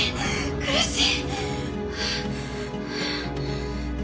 苦しい。